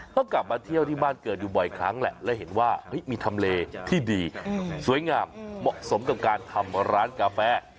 ก็กลับมาเที่ยวที่บ้านเกิดอยู่บ่อยครั้งแหละและเห็นว่ามีทำเลที่ดีสวยงามเหมาะสมกับการทำร้านกาแฟ